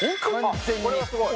これはすごい。